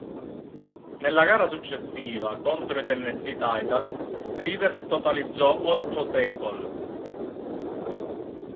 Nella gara successiva, contro i Tennessee Titans, Rivers totalizzò otto tackle.